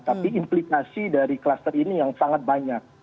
tapi implikasi dari kluster ini yang sangat banyak